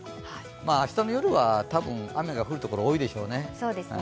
明日の夜は多分雨が降るところが多いでしょうね。